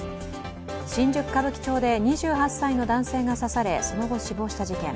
新宿歌舞伎町で２８歳の男性が刺され、その後、死亡した事件。